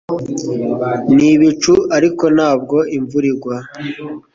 Ni ibicu ariko ntabwo imvura igwa